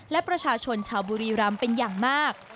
และประชาชนชาวบุรีรำเป็นอย่างมาก